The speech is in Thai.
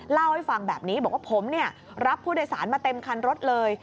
เล่าให้ฟังแบบนี้บอกว่าผมรับผู้โดยสารมาเต็มคันรถเลย